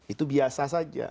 itu biasa saja